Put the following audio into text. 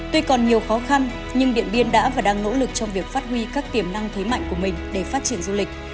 tuy còn nhiều khó khăn nhưng điện biên đã và đang nỗ lực trong việc phát huy các tiềm năng thế mạnh của mình để phát triển du lịch